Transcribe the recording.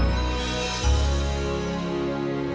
apa repetitive ya crispine ya terus